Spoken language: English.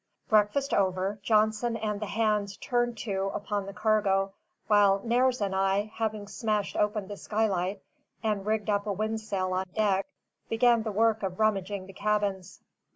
Breakfast over, Johnson and the hands turned to upon the cargo; while Nares and I, having smashed open the skylight and rigged up a windsail on deck, began the work of rummaging the cabins.